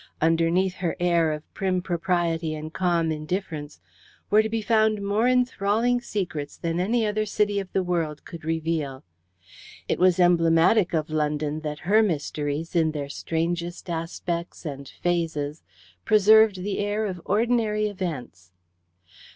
Underneath her air of prim propriety and calm indifference were to be found more enthralling secrets than any other city of the world could reveal. It was emblematic of London that her mysteries, in their strangest aspects and phases, preserved the air of ordinary events.